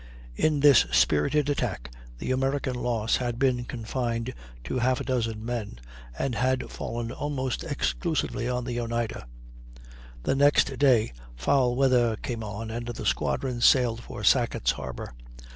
In this spirited attack the American loss had been confined to half a dozen men, and had fallen almost exclusively on the Oneida. The next day foul weather came on, and the squadron sailed for Sackett's Harbor.